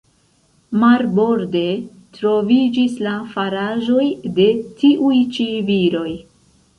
Marborde, troviĝis la faraĵoj de tiuj-ĉi viroj.